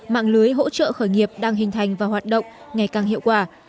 mạng lưới hỗ trợ khởi nghiệp đang hình thành và hoạt động ngày càng hiệu quả